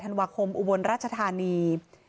ธันวาคมอุบลราชธานี